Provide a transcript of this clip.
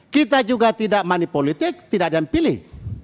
kita juga tidak money politik tidak ada yang pilih